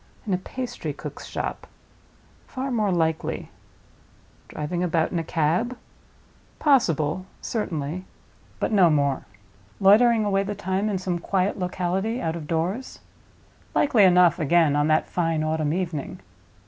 In a pastry cook's shop? Far more likely. Driving about in a cab? Possible, certainly; but no more. Loitering away the time in some quiet locality, out of doors? Likely enough, again, on that fine autumn evening.